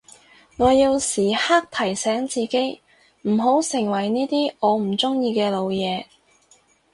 我要時刻提醒自己唔好成為呢啲我唔中意嘅老嘢